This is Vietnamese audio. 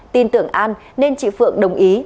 tin tưởng an nên chị phượng đồng ý